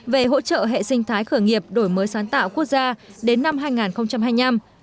về hỗ trợ hệ sinh thái khởi nghiệp đổi mới sáng tạo quốc gia đến năm hai nghìn hai mươi năm